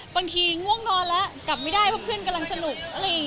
บางทีง่วงนอนแล้วกลับไม่ได้เพราะเพื่อนกำลังสนุก